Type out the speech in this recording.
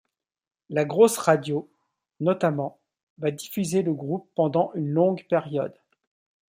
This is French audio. La Grosse Radio, notamment, va diffuser le groupe pendant une longue période.